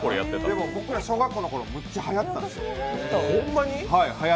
でも、僕ら、小学校のころ、めっちゃはやったんですよ。